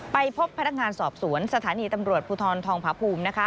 ไปพบพนักงานสอบสวนสถานีตำรวจภูทรทองผาภูมิ